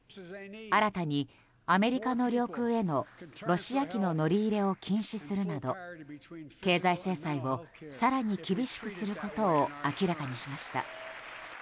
新たにアメリカの領空へのロシア機の乗り入れを禁止するなど経済制裁を更に厳しくすることを明らかにしました。